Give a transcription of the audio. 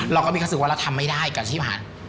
เราก็มีความคิดว่าเราทำไม่ได้การชีวิตอาหาร